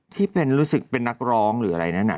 ที่เป็นรู้สึกเป็นนักร้องหรืออะไรนั่นน่ะ